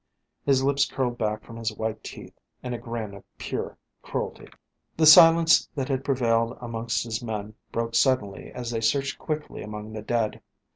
His lips curled back from his white teeth in a grin of pure cruelty. The silence that had prevailed amongst his men broke suddenly as they searched quickly among the dead.